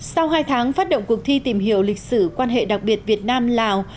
sau hai tháng phát động cuộc thi tìm hiểu lịch sử quan hệ đặc biệt việt nam lào